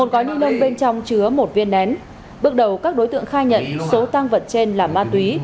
một gói ni lông bên trong chứa một viên nén bước đầu các đối tượng khai nhận số tăng vật trên là ma túy